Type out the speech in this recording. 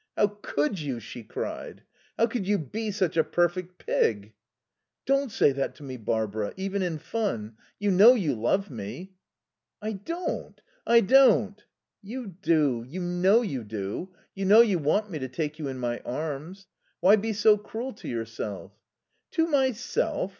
"How could you?" she cried. "How could you be such a perfect pig?" "Don't say that to me, Barbara. Even in fun.... You know you love me." "I don't. I don't." "You do. You know you do. You know you want me to take you in my arms. Why be so cruel to yourself?" "To myself?